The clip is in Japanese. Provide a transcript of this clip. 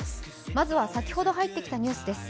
まずは先ほど入ってきたニュースです。